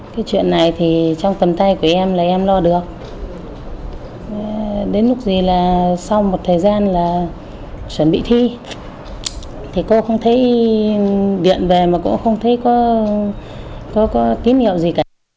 cái chuyện này thì trong tầm tay của em là em lo được đến lúc gì là sau một thời gian là chuẩn bị thi thì cô không thấy điện về mà cũng không thấy có tín hiệu gì cả